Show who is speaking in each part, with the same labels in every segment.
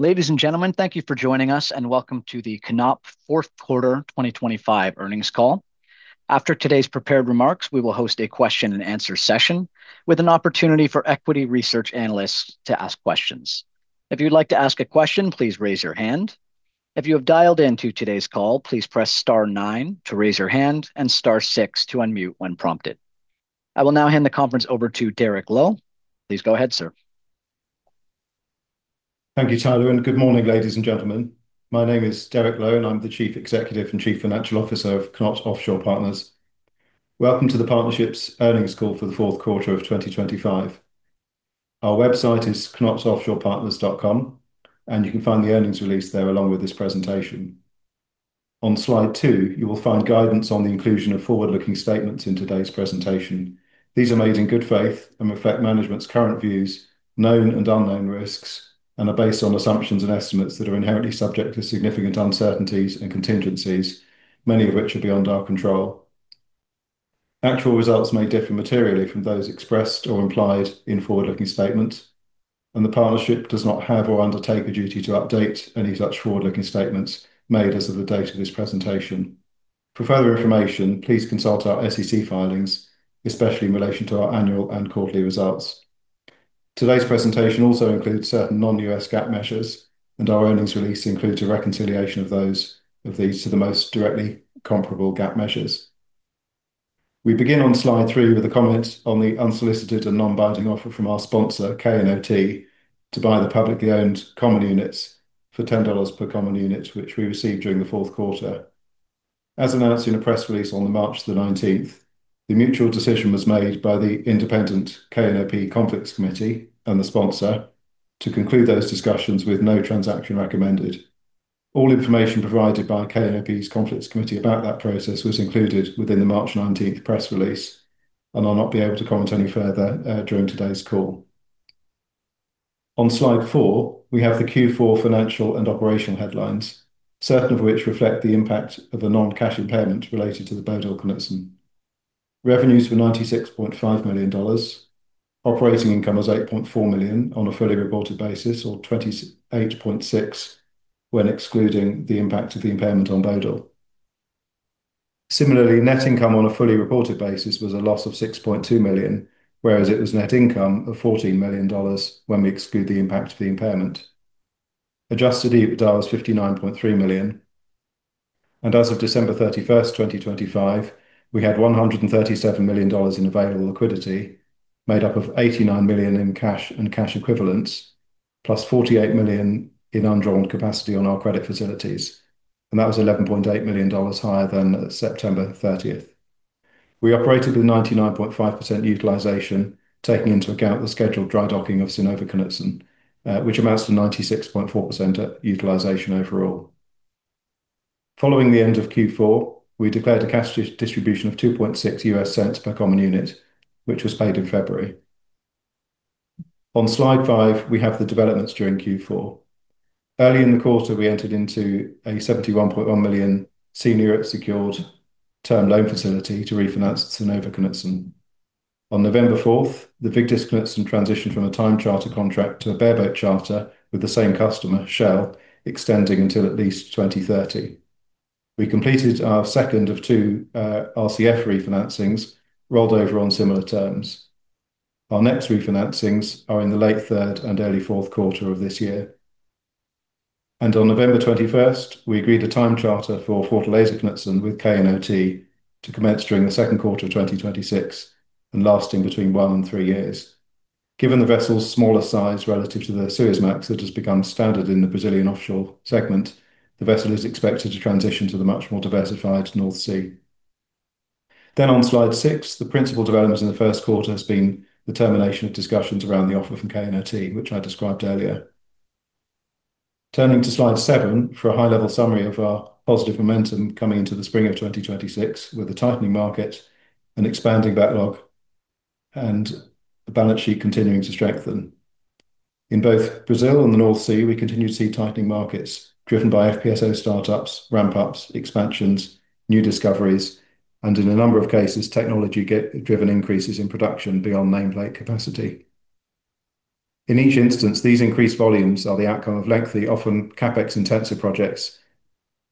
Speaker 1: Ladies and gentlemen, thank you for joining us and welcome to the KNOP's Fourth Quarter 2025 Earnings Call. After today's prepared remarks, we will host a question and answer session with an opportunity for equity research analysts to ask questions. If you'd like to ask a question, please raise your hand. If you have dialed into today's call, please press star nine to raise your hand and star six to unmute when prompted. I will now hand the conference over to Derek Lowe. Please go ahead, sir.
Speaker 2: Thank you, Tyler, and good morning, ladies and gentlemen. My name is Derek Lowe, and I'm the Chief Executive Officer and Chief Financial Officer of KNOT Offshore Partners. Welcome to the partnership's earnings call for the fourth quarter of 2025. Our website is knotoffshorepartners.com, and you can find the earnings release there along with this presentation. On slide two, you will find guidance on the inclusion of forward-looking statements in today's presentation. These are made in good faith and reflect management's current views, known and unknown risks, and are based on assumptions and estimates that are inherently subject to significant uncertainties and contingencies, many of which are beyond our control. Actual results may differ materially from those expressed or implied in forward-looking statements, and the partnership does not have or undertake a duty to update any such forward-looking statements made as of the date of this presentation. For further information, please consult our SEC filings, especially in relation to our annual and quarterly results. Today's presentation also includes certain non-GAAP measures, and our earnings release includes a reconciliation of these to the most directly comparable U.S. GAAP measures. We begin on slide three with a comment on the unsolicited and non-binding offer from our sponsor, KNOT, to buy the publicly owned common units for $10 per common unit, which we received during the fourth quarter. As announced in a press release on March 19, the mutual decision was made by the independent KNOP Conflicts Committee and the sponsor to conclude those discussions with no transaction recommended. All information provided by KNOP's Conflicts Committee about that process was included within the March 19 press release, and I'll not be able to comment any further during today's call. On slide four, we have the Q4 financial and operational headlines, certain of which reflect the impact of the non-cash impairment related to the Bodil Knutsen. Revenues were $96.5 million. Operating income was $8.4 million on a fully reported basis or $28.6 million when excluding the impact of the impairment on Bodil. Similarly, net income on a fully reported basis was a loss of $6.2 million, whereas it was net income of $14 million when we exclude the impact of the impairment. Adjusted EBITDA was $59.3 million. As of December 31st, 2025, we had $137 million in available liquidity made up of $89 million in cash and cash equivalents, plus $48 million in undrawn capacity on our credit facilities. That was $11.8 million higher than September 30th. We operated with 99.5% utilization, taking into account the scheduled dry docking of Synnøve Knutsen, which amounts to 96.4% utilization overall. Following the end of Q4, we declared a cash distribution of $0.026 per common unit, which was paid in February. On slide five, we have the developments during Q4. Early in the quarter, we entered into a $71.1 million senior secured term loan facility to refinance Synnøve Knutsen. On November 4, the Vigdis Knutsen transitioned from a time charter contract to a bareboat charter with the same customer, Shell, extending until at least 2030. We completed our second of two RCF refinancings rolled over on similar terms. Our next refinancings are in the late third and early fourth quarter of this year. On November 21st, we agreed a time charter for Fortaleza Knutsen with KNOT to commence during the second quarter of 2026 and lasting between one to three years. Given the vessel's smaller size relative to the Suezmax that has become standard in the Brazilian offshore segment, the vessel is expected to transition to the much more diversified North Sea. On slide six, the principal developments in the first quarter has been the termination of discussions around the offer from KNOT, which I described earlier. Turning to slide seven for a high-level summary of our positive momentum coming into the spring of 2026 with a tightening market and expanding backlog and the balance sheet continuing to strengthen. In both Brazil and the North Sea, we continue to see tightening markets driven by FPSO startups, ramp-ups, expansions, new discoveries, and in a number of cases, technology-driven increases in production beyond nameplate capacity. In each instance, these increased volumes are the outcome of lengthy, often CapEx-intensive projects,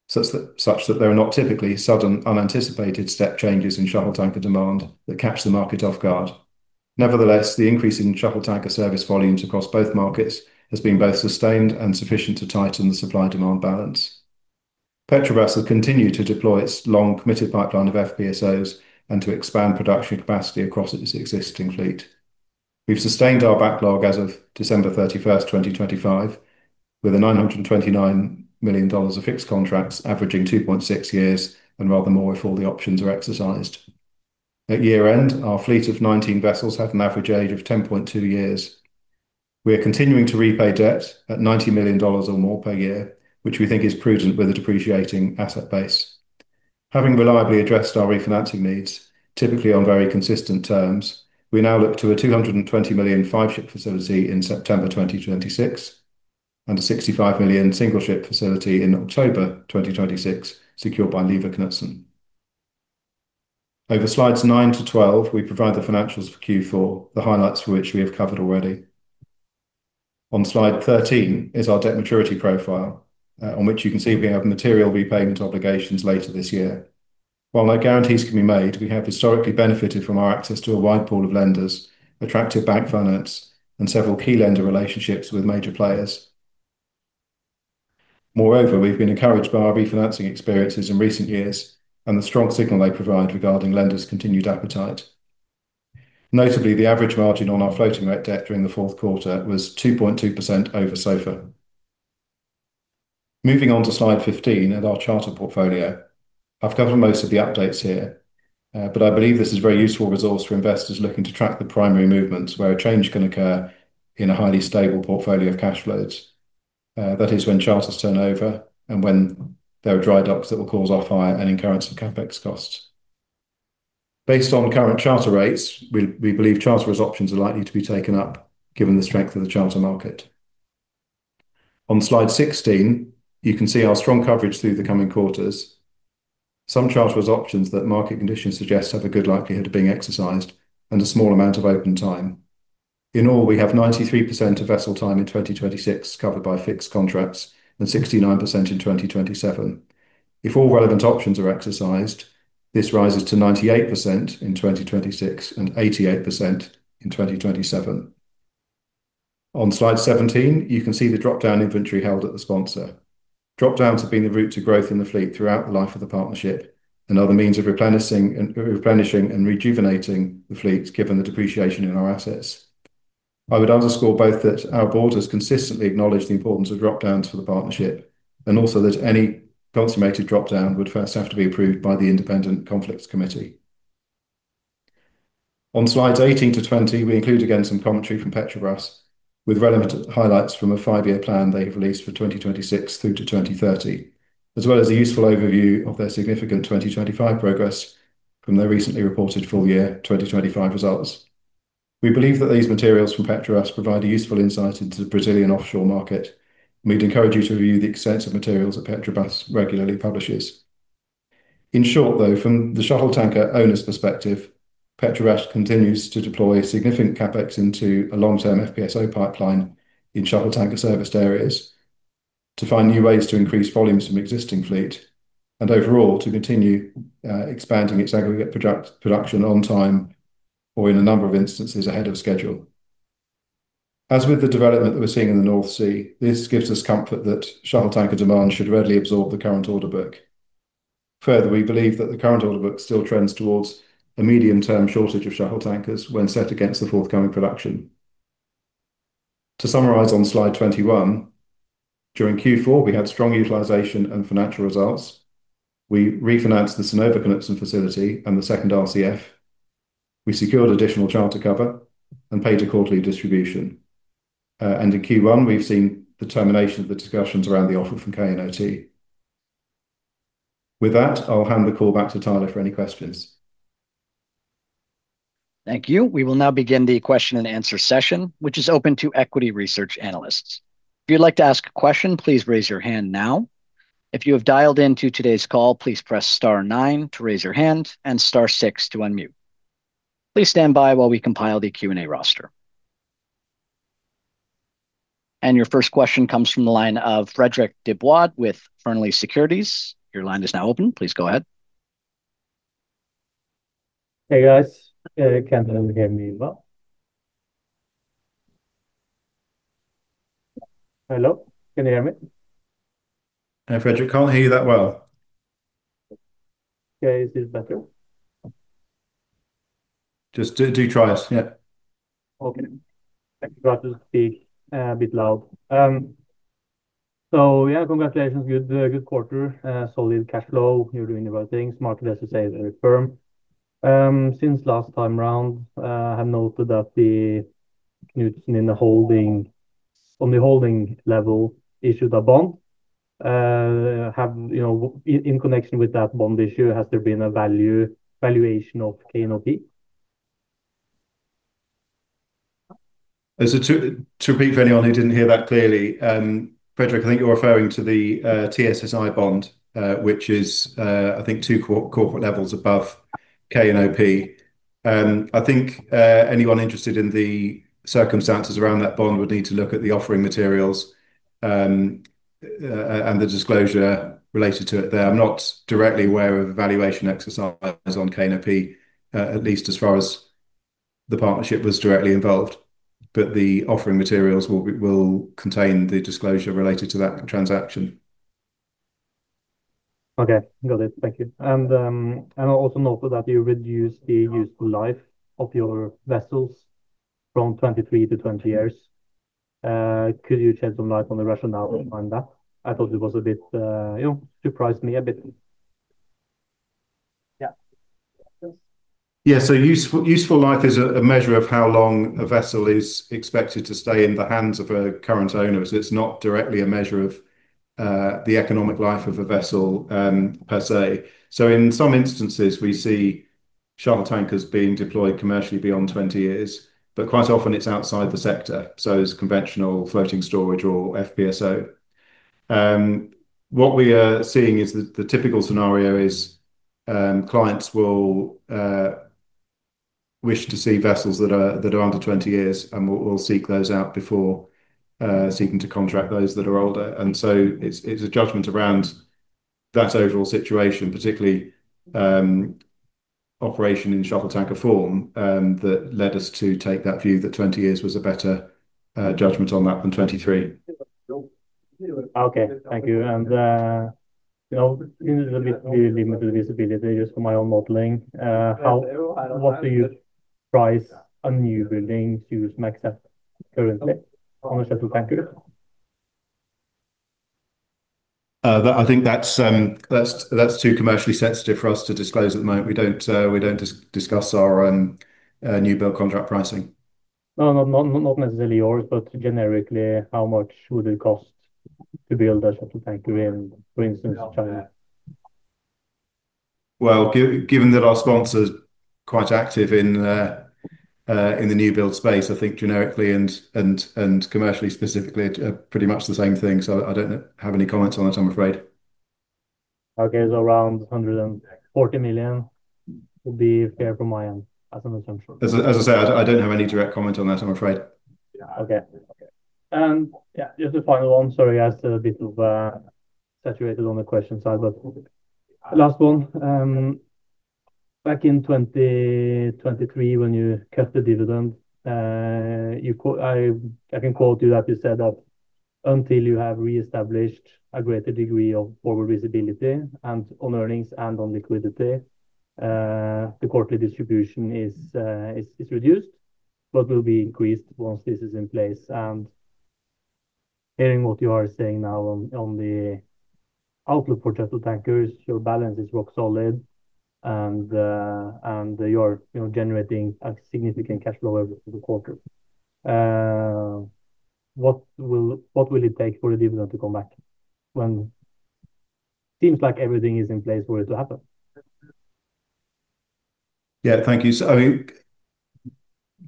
Speaker 2: such that there are not typically sudden unanticipated step changes in shuttle tanker demand that catch the market off guard. Nevertheless, the increase in shuttle tanker service volumes across both markets has been both sustained and sufficient to tighten the supply-demand balance. Petrobras will continue to deploy its long committed pipeline of FPSOs and to expand production capacity across its existing fleet. We've sustained our backlog as of December 31, 2025, with $929 million of fixed contracts averaging 2.6 years and rather more if all the options are exercised. At year-end, our fleet of 19 vessels had an average age of 10.2 years. We are continuing to repay debt at $90 million or more per year, which we think is prudent with a depreciating asset base. Having reliably addressed our refinancing needs, typically on very consistent terms, we now look to a $220 million five-ship facility in September 2026 and a $65 million single-ship facility in October 2026 secured by Lena Knutsen. Over slides nine to 12, we provide the financials for Q4, the highlights which we have covered already. On slide 13 is our debt maturity profile, on which you can see we have material repayment obligations later this year. While no guarantees can be made, we have historically benefited from our access to a wide pool of lenders, attractive bank finance, and several key lender relationships with major players. Moreover, we've been encouraged by our refinancing experiences in recent years and the strong signal they provide regarding lenders' continued appetite. Notably, the average margin on our floating rate debt during the fourth quarter was 2.2% over SOFR. Moving on to slide 15 and our charter portfolio. I've covered most of the updates here, but I believe this is a very useful resource for investors looking to track the primary movements where a change can occur in a highly stable portfolio of cash flows. That is when charters turn over and when there are dry docks that will cause off-hire and incurrence of CapEx costs. Based on current charter rates, we believe charterers' options are likely to be taken up given the strength of the charter market. On slide 16, you can see our strong coverage through the coming quarters. Some charterers' options that market conditions suggest have a good likelihood of being exercised and a small amount of open time. In all, we have 93% of vessel time in 2026 covered by fixed contracts and 69% in 2027. If all relevant options are exercised, this rises to 98% in 2026 and 88% in 2027. On slide 17, you can see the drop-down inventory held at the sponsor. Drop-downs have been the route to growth in the fleet throughout the life of the partnership and are the means of replenishing and rejuvenating the fleet given the depreciation in our assets. I would underscore both that our board has consistently acknowledged the importance of drop-downs for the partnership and also that any consummated drop-down would first have to be approved by the independent Conflicts Committee. On slides 18 to 20, we include again some commentary from Petrobras with relevant highlights from a five-year plan they've released for 2026 through to 2030, as well as a useful overview of their significant 2025 progress from their recently reported full year 2025 results. We believe that these materials from Petrobras provide a useful insight into the Brazilian offshore market. We'd encourage you to review the extensive materials that Petrobras regularly publishes. In short, though, from the shuttle tanker owner's perspective, Petrobras continues to deploy significant CapEx into a long-term FPSO pipeline in shuttle tanker-serviced areas to find new ways to increase volumes from existing fleet and overall to continue expanding its aggregate production on time or in a number of instances ahead of schedule. As with the development that we're seeing in the North Sea, this gives us comfort that shuttle tanker demand should readily absorb the current order book. Further, we believe that the current order book still trends towards a medium-term shortage of shuttle tankers when set against the forthcoming production. To summarize on slide 21, during Q4, we had strong utilization and financial results. We refinanced the Synnøve Knutsen facility and the second RCF. We secured additional charter cover and paid a quarterly distribution. And in Q1, we've seen the termination of the discussions around the offer from KNOP. With that, I'll hand the call back to Tyler for any questions.
Speaker 1: Thank you. We will now begin the question and answer session, which is open to equity research analysts. If you'd like to ask a question, please raise your hand now. If you have dialed into today's call, please press star nine to raise your hand and star six to unmute. Please stand by while we compile the Q&A roster. Your first question comes from the line of Fredrik Dybwad with Fearnley Securities. Your line is now open. Please go ahead.
Speaker 3: Hey, guys. Fredrik Dybwad here. Hello, can you hear me?
Speaker 2: Hey, Fredrik. Can't hear you that well.
Speaker 3: Okay. Is this better?
Speaker 2: Just do try us. Yeah.
Speaker 3: Okay. I forgot to speak a bit loud. Yeah, congratulations. Good quarter. Solid cash flow. You're doing the right things. Market, as you say, is very firm. Since last time around, I have noted that the Knutsen on the holding level issued a bond. In connection with that bond issue, has there been a valuation of KNOP?
Speaker 2: To repeat for anyone who didn't hear that clearly, Fredrik, I think you're referring to the TSSI bond, which is, I think, two corporate levels above KNOP. I think anyone interested in the circumstances around that bond would need to look at the offering materials and the disclosure related to it there. I'm not directly aware of valuation exercises on KNOP, at least as far as the partnership was directly involved. The offering materials will contain the disclosure related to that transaction.
Speaker 3: Okay. Got it. Thank you. I also noted that you reduced the useful life of your vessels from 23 to 20 years. Could you shed some light on the rationale behind that? I thought it was a bit, surprised me a bit. Yeah.
Speaker 2: Yeah. Useful life is a measure of how long a vessel is expected to stay in the hands of a current owner. It's not directly a measure of the economic life of a vessel, per se. In some instances, we see shuttle tankers being deployed commercially beyond 20 years. Quite often, it's outside the sector, so it's conventional floating storage or FPSO. What we are seeing is the typical scenario is clients will wish to see vessels that are under 20 years, and we'll seek those out before seeking to contract those that are older. It's a judgment around that overall situation, particularly operation in shuttle tanker form that led us to take that view that 20 years was a better judgment on that than 23.
Speaker 3: Okay. Thank you. You know, a little bit limited visibility just for my own modeling. What do you price a new building to max out currently on a shuttle tanker?
Speaker 2: I think that's too commercially sensitive for us to disclose at the moment. We don't discuss our new build contract pricing.
Speaker 3: No. Not necessarily yours, but generically how much would it cost to build a shuttle tanker in, for instance, China?
Speaker 2: Well, given that our sponsor is quite active in the new build space, I think generically and commercially specifically, pretty much the same thing. I don't have any comments on that, I'm afraid.
Speaker 3: Okay. Around $140 million will be fair from my end as an assumption.
Speaker 2: As I said, I don't have any direct comment on that, I'm afraid.
Speaker 3: Okay. Okay. Yeah, just a final one. Sorry, I asked a bit of saturated on the question side, but last one. Back in 2023, when you cut the dividend, I can quote you that you said that until you have reestablished a greater degree of forward visibility and on earnings and on liquidity, the quarterly distribution is reduced, but will be increased once this is in place. Hearing what you are saying now on the outlook for shuttle tankers, your balance is rock solid, and you're generating a significant cash flow every quarter. What will it take for the dividend to come back when it seems like everything is in place for it to happen?
Speaker 2: Yeah. Thank you. I think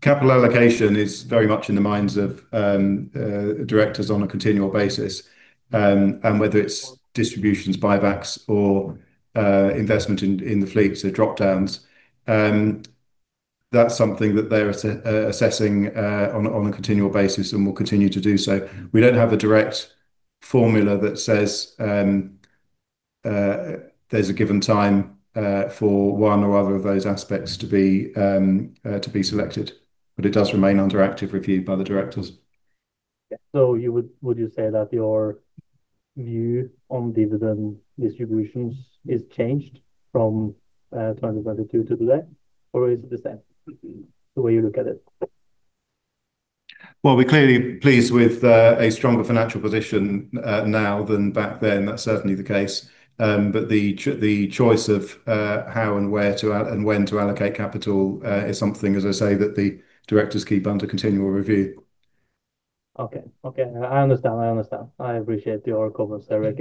Speaker 2: capital allocation is very much in the minds of directors on a continual basis. Whether it's distributions, buybacks or investment in the fleet, so drop-downs. That's something that they're assessing on a continual basis and will continue to do so. We don't have a direct formula that says there's a given time for one or other of those aspects to be selected, but it does remain under active review by the directors.
Speaker 3: Yeah. Would you say that your view on dividend distributions is changed from 2022 to today, or is it the same the way you look at it?
Speaker 2: Well, we're clearly pleased with a stronger financial position now than back then. That's certainly the case. The choice of how and where to and when to allocate capital is something, as I say, that the directors keep under continual review.
Speaker 3: Okay. I understand. I appreciate your comments, Derek.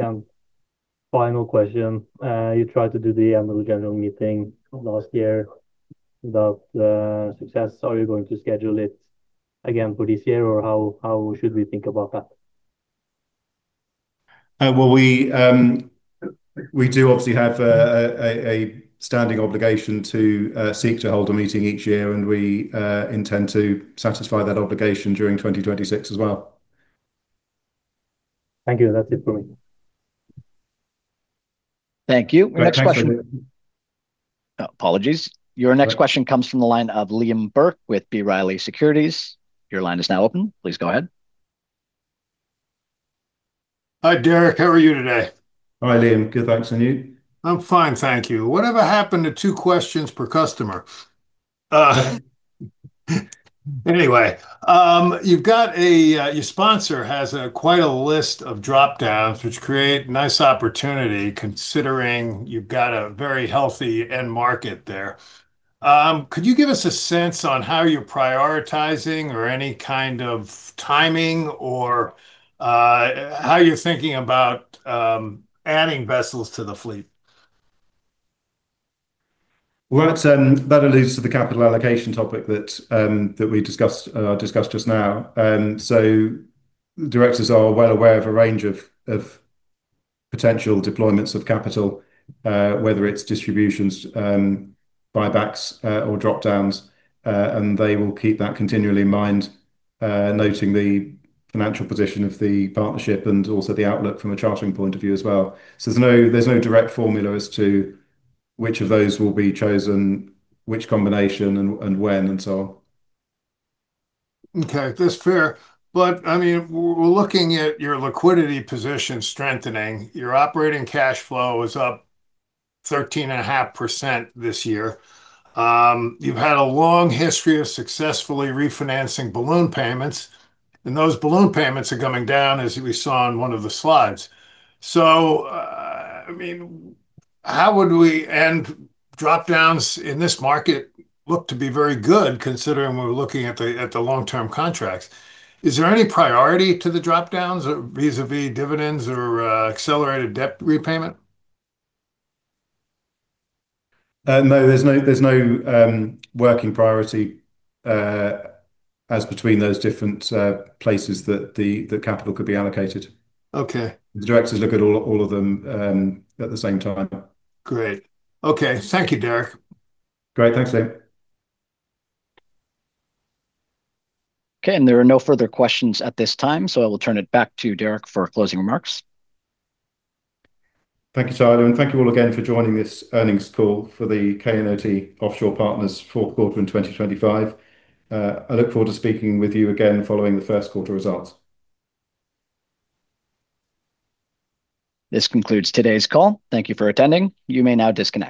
Speaker 3: Final question. You tried to do the annual general meeting last year without success. Are you going to schedule it again for this year, or how should we think about that?
Speaker 2: Well, we do obviously have a standing obligation to seek to hold a meeting each year, and we intend to satisfy that obligation during 2026 as well.
Speaker 3: Thank you. That's it for me.
Speaker 1: Thank you. Next question.
Speaker 2: Thanks.
Speaker 1: Apologies. Your next question comes from the line of Liam Burke with B. Riley Securities. Your line is now open. Please go ahead.
Speaker 4: Hi, Derek. How are you today?
Speaker 2: Hi, Liam. Good, thanks. You?
Speaker 4: I'm fine, thank you. Whatever happened to two questions per customer? Anyway, you've got, your sponsor has quite a list of drop-downs which create nice opportunity considering you've got a very healthy end market there. Could you give us a sense on how you're prioritizing or any kind of timing or how you're thinking about adding vessels to the fleet?
Speaker 2: Well, that alludes to the capital allocation topic that we discussed just now. Directors are well aware of a range of potential deployments of capital, whether it's distributions, buybacks, or drop-downs. They will keep that continually in mind, noting the financial position of the partnership and also the outlook from a chartering point of view as well. There's no direct formula as to which of those will be chosen, which combination and when, and so on.
Speaker 4: Okay, that's fair. I mean, we're looking at your liquidity position strengthening. Your operating cash flow is up 13.5% this year. You've had a long history of successfully refinancing balloon payments, and those balloon payments are coming down, as we saw in one of the slides. I mean, drop-downs in this market look to be very good considering we're looking at the long-term contracts. Is there any priority to the drop-downs vis-à-vis dividends or accelerated debt repayment?
Speaker 2: No. There's no working priority as between those different places that the capital could be allocated.
Speaker 4: Okay.
Speaker 2: The directors look at all of them at the same time.
Speaker 4: Great. Okay. Thank you, Derek.
Speaker 2: Great. Thanks, Liam.
Speaker 1: Okay. There are no further questions at this time, so I will turn it back to Derek for closing remarks.
Speaker 2: Thank you, Tyler. Thank you all again for joining this earnings call for the KNOT Offshore Partners fourth quarter in 2025. I look forward to speaking with you again following the first quarter results.
Speaker 1: This concludes today's call. Thank you for attending. You may now disconnect.